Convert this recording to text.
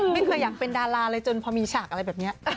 ไม่เคยอยากเป็นดาราเลยจนพอมีฉากอะไรแบบนี้